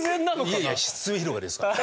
いやいや末広がりですから。